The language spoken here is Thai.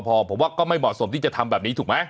พอผมว่าก็ไม่เหมาะสมที่จะทำแบบนี้ถูกไหม